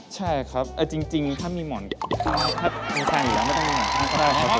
ใช่ครับจริงถ้ามีหมอนข้างคุณสั่งอยู่แล้วไม่ต้องมี